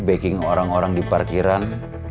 backing orang orang di parkiran